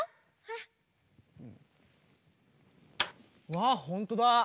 わっほんとだ。